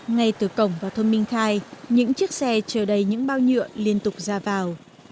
ngay từ cổng vào thôn minh khai những chiếc xe chờ đầy những bao nhựa liên tục ra vào